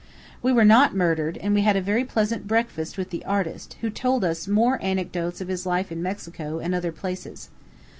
We were not murdered, and we had a very pleasant breakfast with the artist, who told us more anecdotes of his life in Mexico and other places.